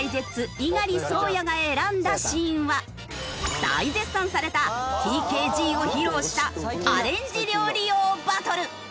猪狩蒼弥が選んだシーンは大絶賛されたＴＫＧを披露したアレンジ料理王バトル。